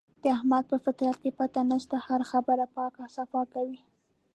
د احمد په فطرت کې پټه نشته، هره خبره پاکه صافه کوي.